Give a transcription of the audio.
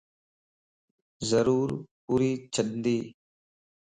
ضرور پوري ڇندي